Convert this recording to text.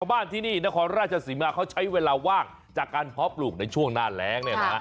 บ้านที่นี่นครราชสิมะเขาใช้เวลาว่างจากการพอบลูกในช่วงหน้าแรง